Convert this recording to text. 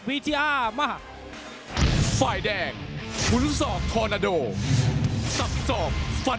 วิทยามาฮะ